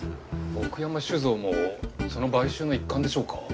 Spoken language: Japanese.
奥山酒造もその買収の一環でしょうか？